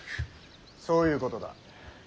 そういうことだ。